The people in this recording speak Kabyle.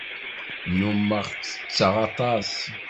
Nnummeɣ ttetteɣ aṭas.